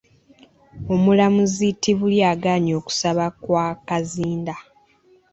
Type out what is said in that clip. Omulamuzi Tibulya agaanye okusaba kwa Kazinda.